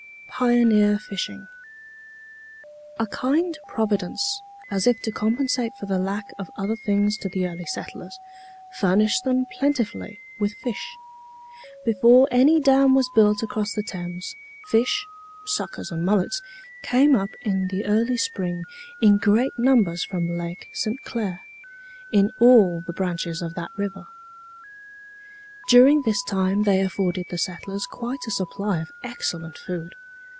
PIONEER FISHING. A kind Providence, as if to compensate for the lack of other things to the early settlers, furnished them plentifully with fish. Before any dam was built across the Thames, fish (suckers and mullets) came up in the early spring in great numbers from Lake St. Clair, in all the branches of that river. During this time they afforded the settlers quite a supply of excellent food.